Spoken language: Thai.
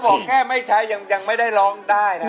บอกแค่ไม่ใช้ยังไม่ได้ร้องได้นะ